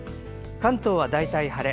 関東は大体晴れ。